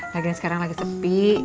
lagian sekarang lagi sepi